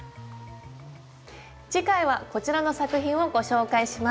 次回はこちらの作品をご紹介します。